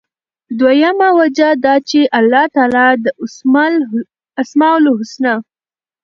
دویمه وجه دا چې الله تعالی د أسماء الحسنی،